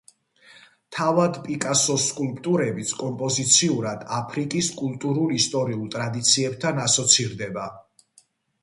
თავად პიკასოს სკულპტურებიც კომპოზიციურად აფრიკის კულტურულ-ისტორიულ ტრადიციებთან ასოცირდება.